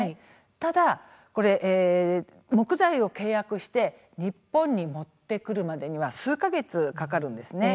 ただ木材を契約して日本に持ってくるまでには数か月かかるんですね。